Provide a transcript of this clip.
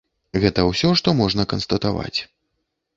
Гэта ўсё, што можна канстатаваць.